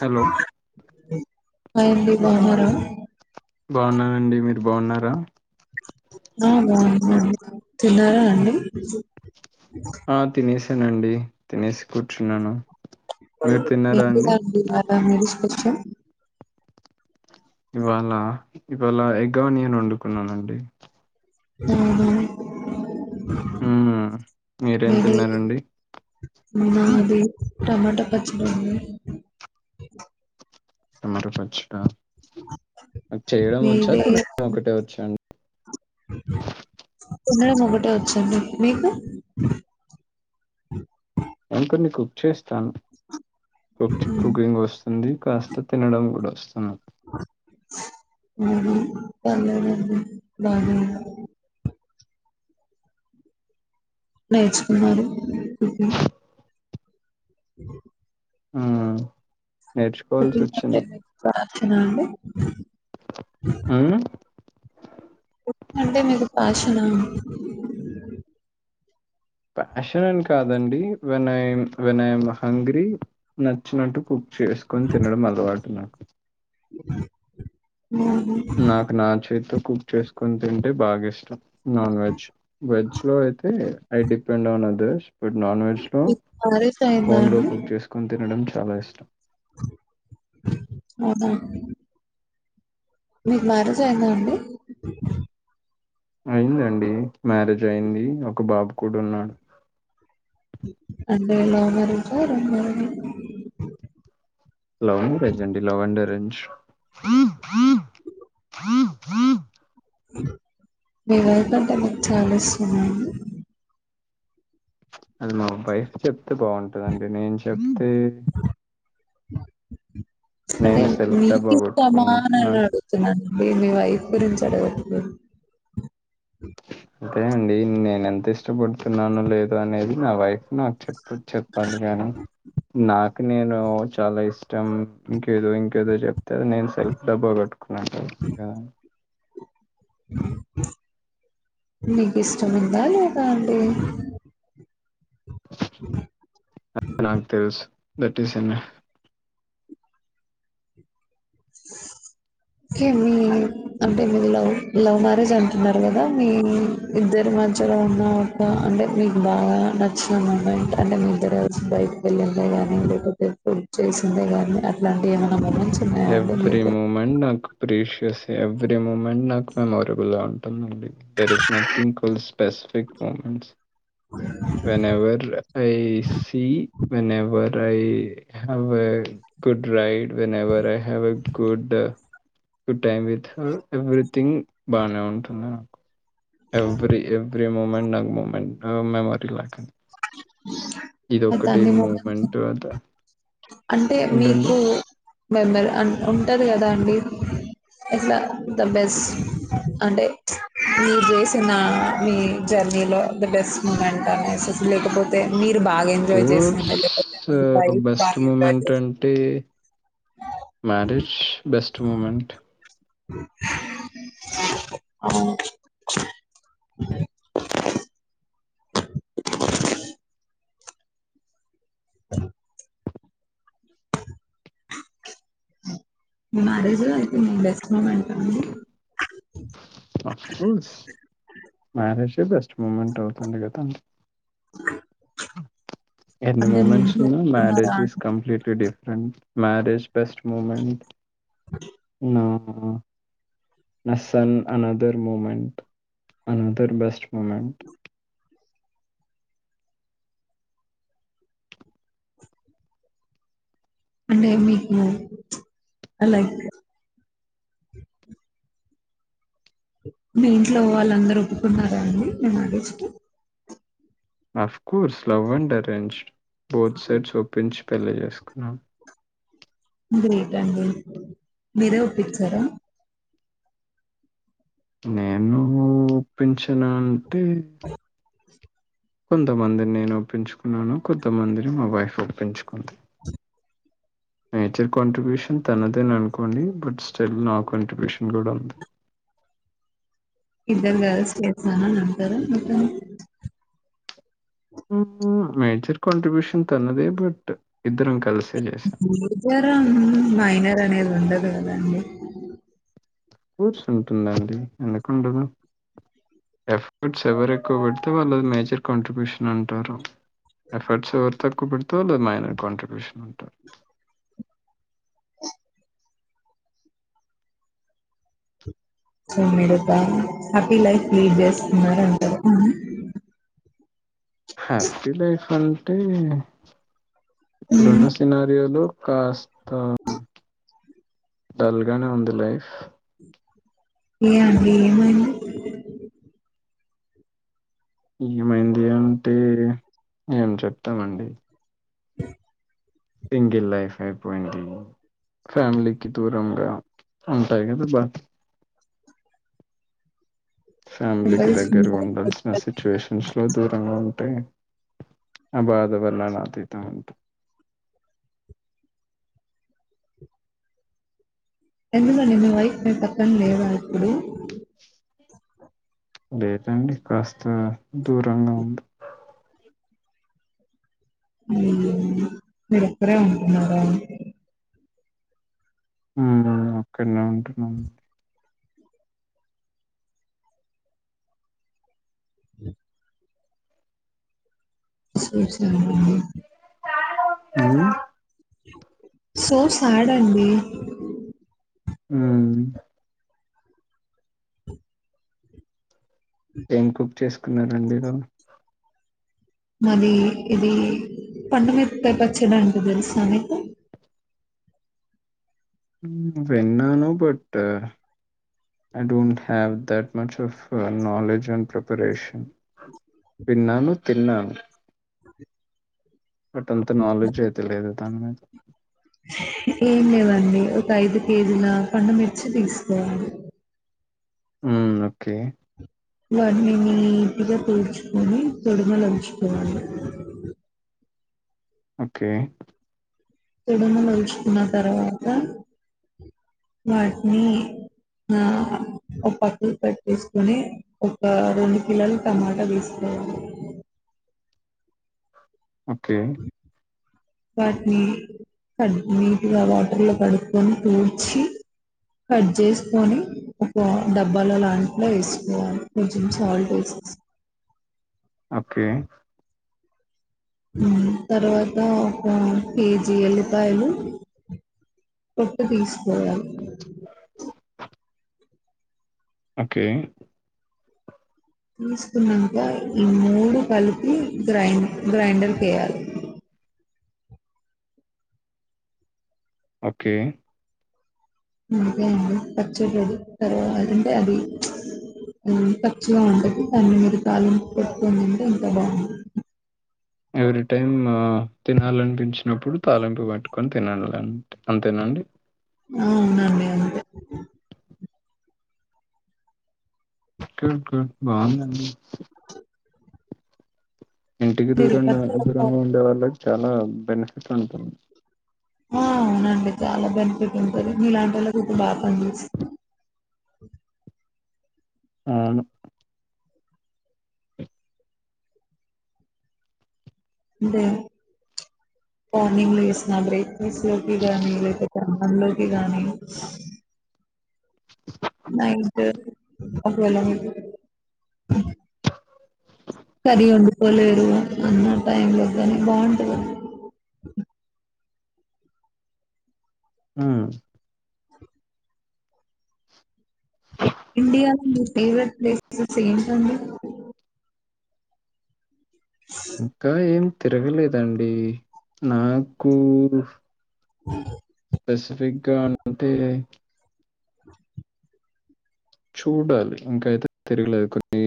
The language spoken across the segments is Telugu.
హలో ఆ అండి బావున్నారు బావున్నానండి మీరు బావున్నారా ఆ బావున్నా [unintelligible] తిన్నారా అండి ఆ తినేసి తేనండి తినేసి కూర్చున్నాను మీరు తిన్నారా మీక్కూడా అండి [unintelligible] [unintelligible] ఇవాళ ఇవాళ ఎగ్ ఆనియన్ వండుకున్నానండి ఆ ఊమ్ మీరేం తిన్నారండి నాది టమాటా పచ్చడి అండి టమాటా పచ్చడా చేయడం వచ్చా మీది తినడం ఒకటే వచ్చా తినడం ఒకటే వచ్చండి మీకు అంటే మీకు వచ్చేస్ తాను కుక్ కుకింగ్ వస్ తుంది కాస్త తినడం కూడా వస్తుం [unintelligible] పర్లేదండి బానే నేర్చుకున్నారు ఆ పుట్టిల్లు అంటే మీకు ప్రాణం [unintelligible] ఎలా అండి ఆ అంటే మీకు పాషనా ప్యాషన్ అని కాదండి వినయం వినయం హంగ్రి నచ్చినట్టు కు చేసుకొని తినడం అలవాటు నాకు నాకు నా చేతో కుక్ చేసుకొని తింటే బాగా ఇష్టం నాన్ వెజ్, వెజ్ లో అయితే ఐ డిపెండ్ ఆన్ అదర్ ఇప్పుడు నాన్ వెజ్ లో మీకు మ్యారేజ్ అయిందా ఓన్గా అండి కుక్ చేసుకొని తినడం చ్ చాలా ఇష్టం వద్దా అండి [unintelligible] మీకు మ్యారేజ్ అయిందా అండి అయిందండి మ్యారేజ్ అయింది ఒక బాబు కూడా ఉన్నాడు. అంటే లవ్ మ్యారేజ్ ఆ అరేంజ్ మ్యారేజ్ ఆ హలో రజండి లవండి అ ఫ్రెంచ్ మీ వైఫ్ అంటే మీకు చాలా ఇష్టమా అండీ అది మా వైఫ్ చెప్తే బాగుంటందండి నేను చెప్ ఏ అంటే సెల్ఫ్ మీకు డబ్బా ఇష్టమా అని కొట్టుకున్నట్టు. అడుగుతున్నానుండి మీ వైఫ్ గురించి అడగకపో [inaudible] అదే అండి నేను ఎంత ఇష్టపడుతున్నాను లేదు అనేది నా వైఫ్ నాకు చెప్ ఇప్పుడు చెప్పాలి గాని నాకు నేను చాలా ఇష్టం ఇంకేదో ఇంకేదో చెప్ గద నేను సెల్ఫ్ డబ్బు కొట్టుకోను కదా నీకు ఇష్టం ఉందా లేదా అండి అ నాకు తెలుసు that is M. A [inaudible] okay మీ అంటే మీరు లవ్ లవ్ మ్యారేజ్ అంటున్నారు కదా, మీ ఇద్దరి మధ్యలో ఉన్న ఒక అంటే మీకు బాగా నచ్చినట్ అంటే మీ ఇద్దరు బయట వెళ్ళిందే గాని లేకపోతే ఫుడ్ చేసిందే గాని అట్లాంటి ఏమనా మని చె [unintelligible] ఎవ్రీ మూమెంట్ నాకు అప్రీషియస్ ఎవ్రీ మూమెంట్ నాకు మెమొరీబుల్ గ ఉంటుందండి there is nothing calls specific moments whenever I see whenever I have a good ride whenever I have a good good time with everything బాగనే ఉంటుంది నాకు. ఎవ్రీ ఎవ్ ఫ్రీ మూమెంట్ నాక్ మూమెంట్ ఆ మెమోరీలాక్ ఆ ఇదొక్కటి తన్ని మూమెంట్ అద అంటే ఏంటండి మీకు మెంబర్ అన్ ఉంటది గదా అండి ఇట్లా ద బెస్ట్ అంటే మీరు జేసిన మీ జర్నీలో ద బెస్ట్ మూమెంట్ అనేసి లేకపోతే మీ బాగా ఎంజాయ్ చేసింది స్కోర్స్ లేకపోతే వైఫ్ బెస్ట్ మూమెంట్ బాగా ఎంజాయ్ మూమెంట్ చేసింది అంటే మ్యారేజ్ బెస్ట్ మూమెంట్ అవును ఆ మీ మ్యారేజ్ లో అయితే మీ బెస్ట్ మూమెంటా అండి. Of course marriage the best moment అవుతుంది కదా ఎన్ని అంటే మీ మూమెంట్స్ ఇంట్లో ఉన్నా ఒప్పుకున్నారా మ్యారేజెస్ అండి completely different marriage best moment నా ఆ నా son another moment another best moment అంటే మీకు ప్చ్ అ లైక్ మీ ఇంట్లో వాళ్ళందరూ ఒప్పుకున్నారా అండి మీ మ్యారేజ్ కి of course love and arranged both sides ఓప్పించి పెళ్ళి చేసుకున్నాం గ్రేట్ అండి మీరే ఒప్పిచ్చారా నేను ఒప్పించిన అంటే [unintelligible] కొంతమందిని నేను ఒప్పించుకున్నాను, కొంతమందిని మా వైఫ్ ఒప్పించుకుంది. నేచర్ కాంట్రిబ్యూషన్ తనదేననుకోండి బట్ స్టిల్ నా కంట్రిబ్యూషన్ గూడా ఉంది. ఇద్దరు గలిసి జేచ్చారానన్ ద్దరం మొత్తం మేజర్ కాంట్రిబ్యూషన్ తనదే బట్ ఇద్దరం కలిసే చేశాం. ఇద్దరం మైనర్ అనేద్ ఉండదు కదా అండి అఫ్కోర్స్ ఉంటుందండి ఎందుకు ఉండదు ఎఫర్ట్స్ ఎవరు ఎక్కువ పెడితే వాళ్ళుది మేజర్ కాంట్రిబ్యూషన్ అంటారు. ఎఫర్ట్స్ ఎవరు తక్కువ పెడితే వాళ్ళుది మైనర్ కాంట్రిబ్యూషన్ అంటారు. అ [unintelligible] సో మీరు హ్యాపీ లైఫ్ లీడ్ చేస్తున్నారు అంటారు హ్యాపీ లైఫ్ అంటే మ్మ్. ఇప్పుడున్న సినారియోలు కాస్త త డల్ గానే ఉంది లైఫ్ ఏ అండి ఏమైంది ఏమైంది అంటే ఏం చెప్తామండి అ [unintelligible] సింగిల్ లైఫ్ అయిపోయింది ఫ్యామిలీకి దూరంగా ఉంటాయి కదా బట్ ఫ్యామిలీకి దగ్గర సంపాదించుకున్నారు ఉండాల్సిన సిచ్యువేషన్స్ లో దూరంగా ఉంటాయి ఆ బాధ [inaudible] ఎందుకండి మీ వైఫ్ మీ పక్కన లేదా ఇప్పుడు లేదండి కాస్త దూరంగా ఉంది మీరొక్కరే ఉంటున్నారా హమ్ ఒకనే ఉంటున్నాండి ఇ [unintelligible] సరే సరే అండి [unintelligible] సో సాడ్ అండి ఆమ్ ఏం కుక్ చేసుకున్నారండి ఈరోజు మాది ఇది పండు మిరపకాయ పచ్చడంటే తెలుసా మీకు విన్నాను but I don't have that much of knowledge and preparation [inaudible] విన్నాను తిన్నాను బట్ అంత నాలెడ్జ్ అవుతే లేదు దాని మీద ఏం లేవండి ఒక ఐదు కేజీల కొండమిర్చి తీసుకోవాలి ఉ ఓకే వాని నీటిగా తుడుచుకొని తొడమలుంచుకోవాలి ఓకే తొడుమలుచుకున్న తర్వాత వాటిని ఆ ఒక పక్కన పేట్టేసుకుని ఒక రెండు కిలోలు టమాటా తీసుకోవాలి ఓకే వాటిని కట్ నీట్ గా వాటర్ లో కడుకొని తూడ్చి కట్ చేసుకొని ఒక డబ్బాల లాంటిట్లో వేసుకోవాలి కొంచెం సాల్ట్ వేసే ఓకే తర్వాత ఒక కేజీ ఎల్లిపాయలు పోట్టు తీసుకోవాలి ఓకే తీసుకున్నాక ఈ మూడు కలిపి గ్రైండర్ కేయాలి ఓకే అకే అడి పచ్చిదు తర్వాంటే అది పచ్చిగా ఉంటంది దాని మీద కాలం పెట్టుందంటే ఇకా బాగుంటుంది ఎవ్రీ టైమ్ తినాలనిపించినప్పుడు తాలింపు పట్టుకొని తినాల అంతేనండి అ అవునండి అంతే బాగుందండి ఇంటికి మీరు దూరంగా పచ్చడి పా- దూరంగా ఉండే వాళ్ళక్ చాలా బెనిఫిట్ ఉంటుంది. ఆ అవునండి చాలా బెనిఫిట్ ఉంటది. మీలాంటి వాళ్ళకి ఇంక్ బాగానిపిస్తద్ అవును అంటే మార్నింగ్ లో వేసిన బ్రేక్ఫాస్ట్ లోకి గాని లేకతే అన్నం లోకి గాని. నైట్ ఒకవేళ [unintelligible] కర్రి వండుకోలేరు అన్నాం టైం లో గాని బాగుంటందండి. ఆహ్ ఇండియాలో మీ ఫేవరెట్ ప్లేసెస్ ఏంటండి. ఇక్కడ ఏం తిరగలేదండి. నాకు అహ్ స్పెసిఫిక్గా అంటే చూడాలి ఇంకాయితే తిరగలేదు. కొన్ని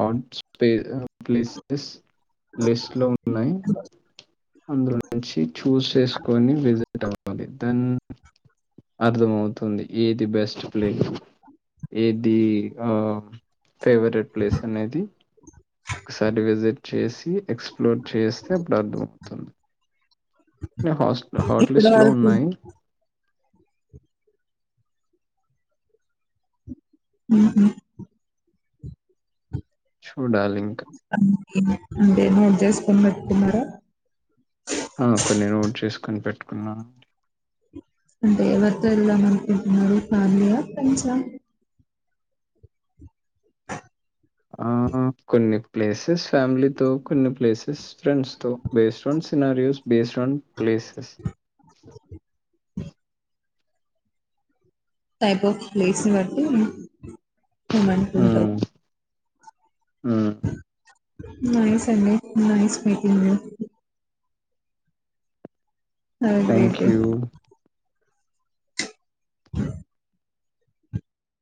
హట్ స్పేస్ ప్లేసెస్ లిస్ట్ లో ఉన్నాయి. అందులో నుంచి చూస్ చేసుకొని విజిట్ అవ్వాలి. దెన్ అర్థంమవుతుంది ఏది బెస్ట్ ప్లేస్ ఏది ఆహ్ ఫేవరెట్ ప్లేస్ అనేది. ఒకసారి విజిట్ చేసి ఎక్స్ప్లోర్ చేస్తే అప్పుడు అర్థంమవుతుంది. హాస్ ఇప్పటి హాట్లిస్ట్ లో వరకు ఉన్నాయి. ఉహ్ హు చూడాలి ఇంకా అంటే నే జస్ట్ పొమ్మంటున్నారా ఆ కొన్ని నోట్ చేసుకొని పెట్ కున్న అంటే ఎవరితో వెళ్ళామనుకుంటున్నారు ఫ్యాలియా, ఫ్రెండ్స ఆ కొన్ని ప్లేసెస్ ఫ్యామిలీతో కొన్ని ప్లేసెస్ ఫ్రెండ్స్ తో based on scenarios based on places type of place నీ బట్టి పోమనుకుంటారు ఉమ్మ్ నైస్ అండి నైస్ మీటింగ్ యు అది థ్యాంక్ రెడ్డి యూ